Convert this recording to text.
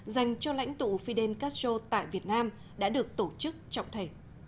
dành cho lãnh tụ fidel castro tại việt nam đã được tổ chức trọng thể